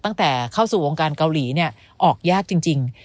ตั้งแต่เข้าสู่วงการเกาหลีเนี่ยออกยากจริง